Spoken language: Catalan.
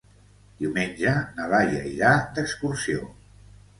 Diumenge na Laia irà d'excursió.